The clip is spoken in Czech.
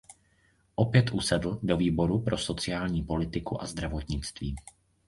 Opět usedl do výboru pro sociální politiku a zdravotnictví.